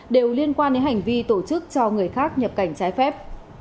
đều liên quan đến hành vi tổ chức cho người khác nhập cảnh trái phép